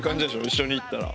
一緒にいったら。